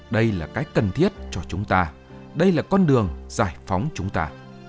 đây là cách cần thiết cho chúng ta đây là con đường giải phóng chúng ta